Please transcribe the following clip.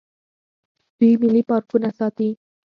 دوی ملي پارکونه ساتي.